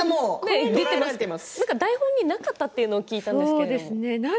台本になかったというのを聞いたんですけど。